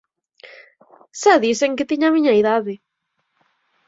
Xa dixen que tiña a miña idade.